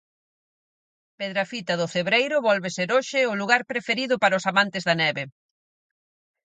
Pedrafita do Cebreiro volve ser hoxe o lugar preferido para os amantes da neve.